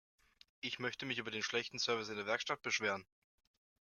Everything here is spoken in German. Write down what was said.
Ich möchte mich über den schlechten Service in der Werkstatt beschweren.